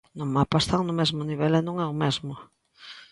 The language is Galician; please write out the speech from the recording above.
No mapa están no mesmo nivel e non é o mesmo.